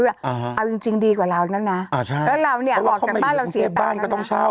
เอาจริงดีกว่าเราแล้วนะแล้วเราออกกันบ้านเราเสียตังค์แล้วนะ